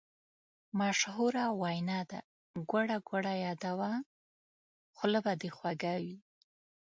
مشهوره وینا ده: ګوړه ګوړه یاده وه خوله به دې خوږه وي.